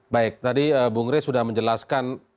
baik tadi bung rey sudah menjelaskan